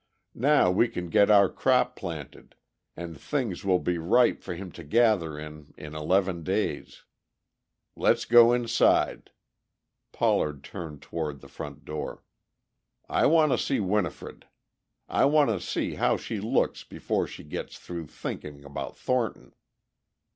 Now we can get our crop planted and things will be ripe for him to gather in in eleven days." "Let's go inside." Pollard turned toward the front door. "I want to see Winifred. I want to see how she looks before she gets through thinking about Thornton."